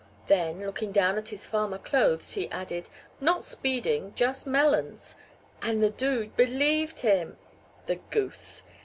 Then, looking down at his farmer clothes, he added: 'Not speeding, just melons.' And the dude believed him, the goose!